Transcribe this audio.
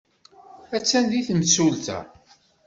Attan din temsulta.